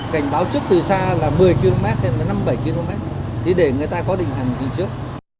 cảnh báo trước từ xa là một mươi km năm bảy km thì để người ta có định hành đi trước